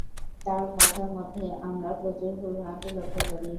তার ভাষার মধ্যে আমরা প্রচুর ভুল-ভ্রান্তি লক্ষ্য করি।